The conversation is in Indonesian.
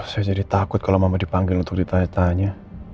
saya jadi takut kalau mama dipanggil untuk ditanya tanya